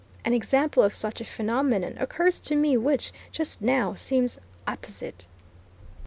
An example of such a phenomenon occurs to me which, just now, seems apposite.